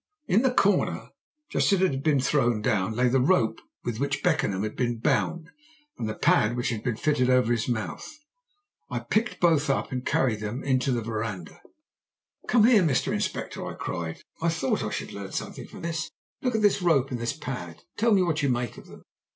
In the corner, just as it had been thrown down, lay the rope with which Beckenham had been bound and the pad which had been fitted over his mouth. I picked both up and carried them into the verandah. "Come here, Mr. Inspector," I cried. "I thought I should learn something from this. Look at this rope and this pad, and tell me what you make of them."